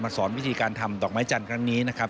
สอนวิธีการทำดอกไม้จันทร์ครั้งนี้นะครับ